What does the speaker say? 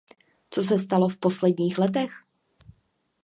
Co se stalo v posledních letech?